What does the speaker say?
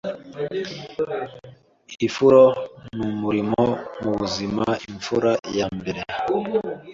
ifuro numurimo mubuzima imfura yambere